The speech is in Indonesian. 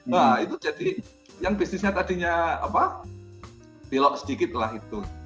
nah itu jadi yang bisnisnya tadinya belok sedikit lah itu